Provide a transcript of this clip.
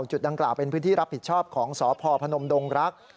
จุดดังกล่าวเป็นพื้นที่รับผิดชอบของสพพนมดงรัก